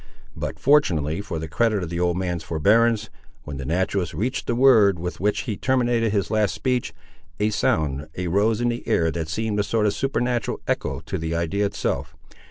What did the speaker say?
But, fortunately for the credit of the old man's forbearance, when the naturalist reached the word, with which he terminated his last speech, a sound arose in the air that seemed a sort of supernatural echo to the idea itself.